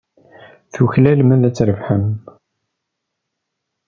Tuklalem ad trebḥem.